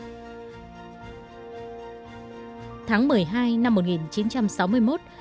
đại hội đã bầu ban chấp hành trung ương hội gồm năm mươi hai anh chỉ do bác sĩ anh hùng lao động phạm ngọc thạch làm chủ tịch